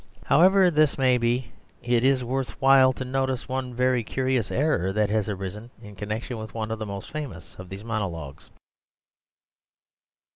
However this may be, it is worth while to notice one very curious error that has arisen in connection with one of the most famous of these monologues.